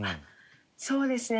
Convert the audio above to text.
そうですね。